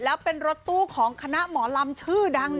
แล้วเป็นรถตู้ของคณะหมอลำชื่อดัง